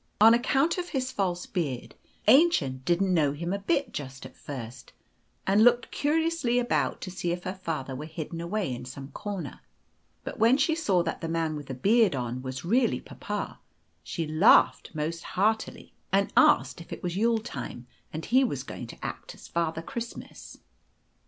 On account of his false beard, Aennchen didn't know him a bit just at first, and looked curiously about to see if her father were hidden away in some corner; but when she saw that the man with the beard on was really papa, she laughed most heartily, and asked if it was Yule time, and he was going to act Father Christmas.